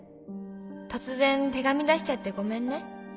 突然手紙出しちゃってごめんね」